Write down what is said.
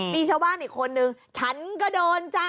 มีชาวบ้านอีกคนนึงฉันก็โดนจ้ะ